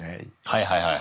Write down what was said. はいはいはい。